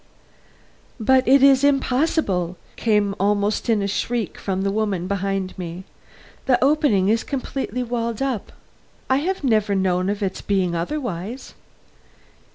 "But it is impossible!" came almost in a shriek from the woman behind me. "The opening is completely walled up. I have never known of its being otherwise.